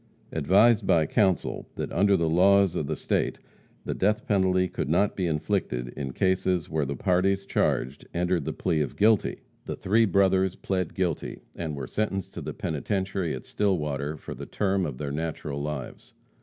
Advised by counsel that under the laws of the state the death penalty could not be inflicted in cases when the parties charged entered the plea of guilty, the three brothers plead guilty, and were sentenced to the penitentiary at Stillwater for the terms of their natural lives.